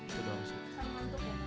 sama ngantuk ya